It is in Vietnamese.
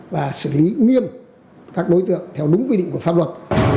và xử lý nghiêm các đối tượng theo đúng quy định của pháp luật